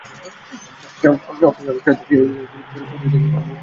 আমি অপেক্ষা করতেই থাকি, করতেই থাকি, কিন্তু ও এলো না।